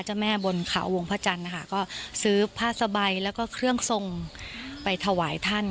เจ้าแม่บนเขาวงพระจันทร์นะคะก็ซื้อผ้าสบายแล้วก็เครื่องทรงไปถวายท่าน